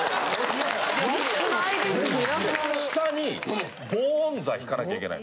下に防音材敷かなきゃいけない。